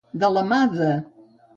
De la mà de.